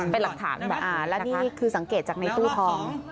เป็นหลักฐานแล้วนะคะคือสังเกตจากในตู้ทอง